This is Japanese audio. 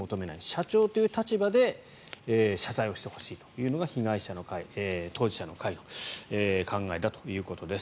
社長という立場で謝罪をしてほしいというのが被害者の会、当事者の会の考えだということです。